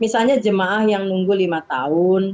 misalnya jemaah yang nunggu lima tahun